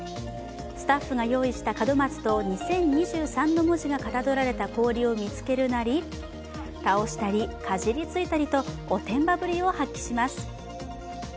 スタッフが用意した門松と「２０２３」の文字がかたどられた氷を見つけるなり、倒したりかじりついたりとおてんばぶりを発揮します。